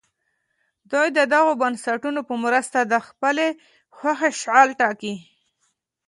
دوی د دغو بنسټونو په مرسته د خپلې خوښې شغل ټاکي.